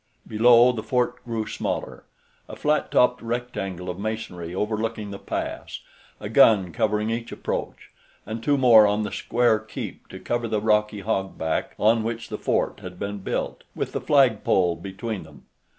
Below, the fort grew smaller, a flat topped rectangle of masonry overlooking the pass, a gun covering each approach, and two more on the square keep to cover the rocky hogback on which the fort had been built, with the flagpole between them.